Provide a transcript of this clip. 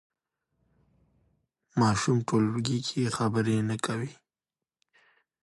ماشوم ټولګي کې خبرې نه کوي.